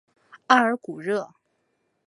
阿尔古热。